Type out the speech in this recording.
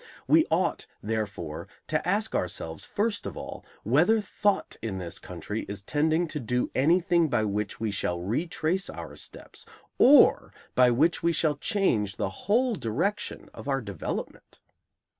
We ought, therefore, to ask ourselves, first of all, whether thought in this country is tending to do anything by which we shall retrace our steps, or by which we shall change the whole direction of our development?